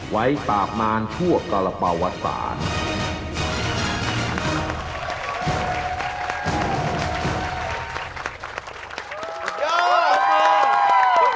ไว้ตามานชั่วตลปวัตรศาสตร์